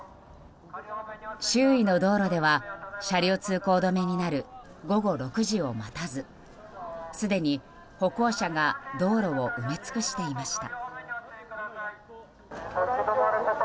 周囲の道路では車両通行止めになる午後６時を待たずすでに、歩行者が道路を埋め尽くしていました。